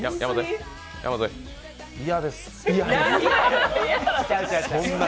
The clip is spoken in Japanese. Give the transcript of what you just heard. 嫌です。